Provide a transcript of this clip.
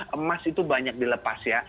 emas itu banyak dilepas ya